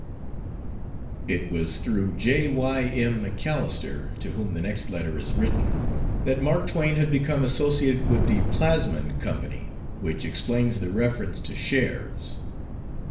It was through J. Y. M. MacAlister, to whom the next letter is written, that Mark Twain had become associated with the Plasmon Company, which explains the reference to "shares."